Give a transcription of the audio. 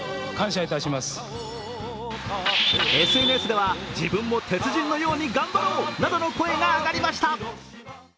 ＳＮＳでは自分も鉄人のように頑張ろうなどの声が上がりました。